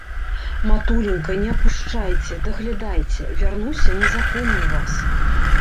Матуленька не апушчайце, даглядайце, вярнуся, не запомню вас.